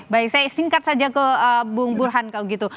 baik saya singkat saja ke bung burhan kalau gitu